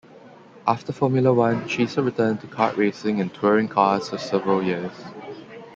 After Formula One, Chiesa returned to kart racing and touring cars for several years.